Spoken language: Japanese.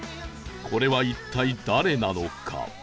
これは一体誰なのか？